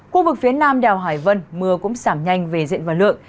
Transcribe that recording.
khu vực phía nam đèo hải vân mưa cũng giảm nhanh về diện và lượng